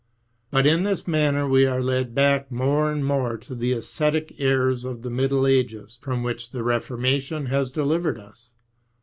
But in this manner we are led back more and more to the ascetic errors of the middle ages, from which the Reformation has delivered us.